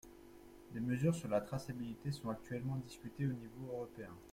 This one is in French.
Des mesures sur la traçabilité sont actuellement discutées au niveau européen.